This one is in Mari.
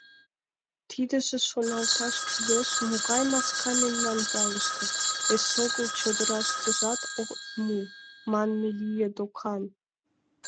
Тидыже, шоналташ кӱлеш, могай маска мемнан ялыште, эсогыл чодыраштыжат от му, манме лие докан.